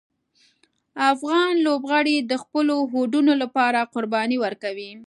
افغان لوبغاړي د خپلو هوډونو لپاره قربانۍ ورکوي.